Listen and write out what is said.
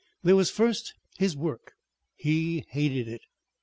There was first his work. He hated it.